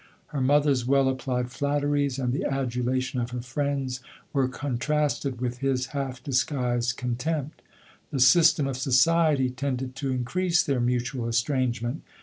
Her mother's well applied flatteries and the adulation of her friends were contrasted with his halt disguised contempt. The system of society tended to increase their mutual es trangement.